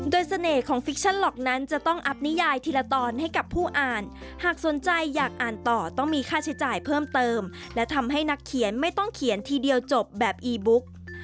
โดยเสน่ห์ของฟิกชั่นล็อกนั้นจะต้องอัพนิยายทีละตอนให้กับผู้อ่านหากสนใจอยากอ่านต่อต้องมีค่าใช้จ่ายเพิ่มเติมและทำให้นักเขียนไม่ต้องเขียนทีเดียวจบแบบอีบุ๊ก